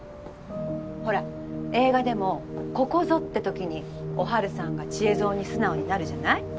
ほら映画でもここぞって時にお春さんが千恵蔵に素直になるじゃない。